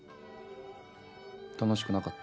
楽しくなかった？